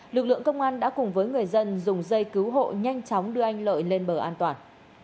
lực lượng công an đã cùng với người dân dùng dây cứu hộ nhanh chóng đưa anh lợi lên bờ an toàn